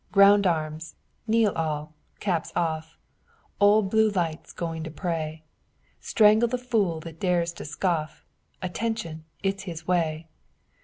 ground arms! kneel all! caps off! Old Blue Light's going to pray; Strangle the fool that dares to scoff! Attention! it's his way!